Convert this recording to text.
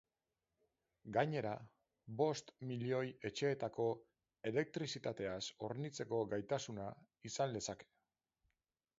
Gainera, bost milioi etxeetako elektrizitateaz hornitzeko gaitasuna izan lezake.